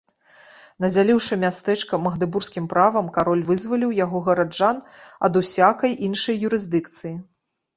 Надзяліўшы мястэчка магдэбургскім правам, кароль вызваліў яго гараджан ад усякай іншай юрысдыкцыі.